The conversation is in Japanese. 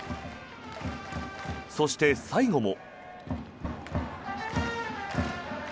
そして、最後も。